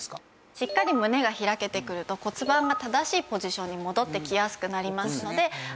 しっかり胸が開けてくると骨盤が正しいポジションに戻ってきやすくなりますのであ